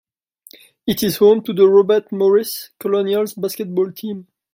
It is home to the Robert Morris Colonials basketball team.